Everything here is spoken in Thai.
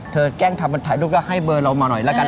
แกล้งทำถ่ายรูปก็ให้เบอร์เรามาหน่อยแล้วกัน